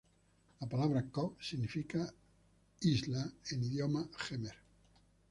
La palabra "Koh" significa "Isla" en Idioma jemer.